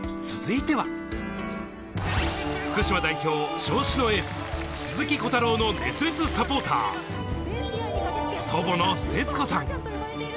続いては福島代表・尚志のエース、鈴木虎太郎の熱烈サポーター、祖母の節子さん。